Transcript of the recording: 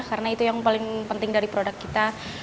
karena itu yang paling penting dari produk kita